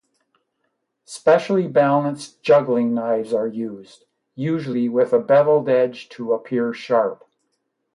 Specially balanced juggling knives are used, usually with a bevelled edge to appear sharp.